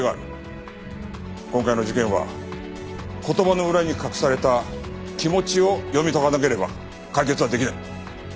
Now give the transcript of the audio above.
今回の事件は言葉の裏に隠された気持ちを読み解かなければ解決はできない。